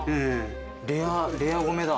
レア米だ。